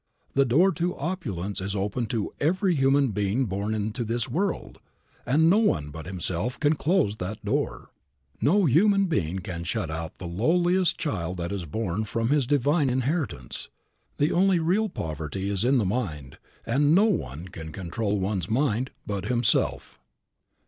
The door to opulence is open to every human being born into this world, and no one but himself can close that door. No human being can shut out the lowliest child that is born from his divine inheritance. The only real poverty is in the mind, and no one can control one's mind but himself.